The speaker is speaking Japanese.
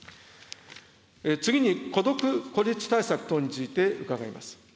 次に孤独・孤立対策等について、伺います。